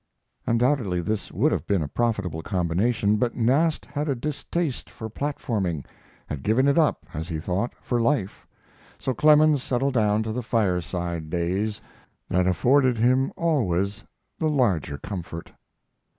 Undoubtedly this would have been a profitable combination, but Nast had a distaste for platforming had given it up, as he thought, for life. So Clemens settled down to the fireside days, that afforded him always the larger comfort.